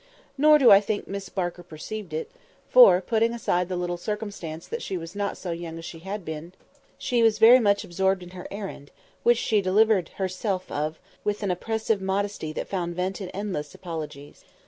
Nor do I think Miss Barker perceived it; for, putting aside the little circumstance that she was not so young as she had been, she was very much absorbed in her errand, which she delivered herself of with an oppressive modesty that found vent in endless apologies.